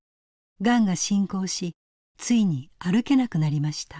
がんが進行しついに歩けなくなりました。